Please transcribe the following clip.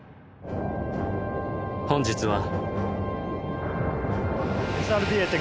本日は。